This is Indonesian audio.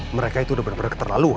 mereka itu udah bener bener keterlaluan